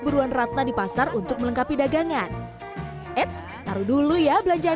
buruan ratna di pasar untuk melengkapi dagangan eits taruh dulu ya belanjaan